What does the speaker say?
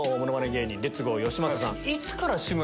芸人レッツゴーよしまささん。